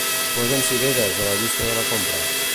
Posa'm cireres a la llista de la compra.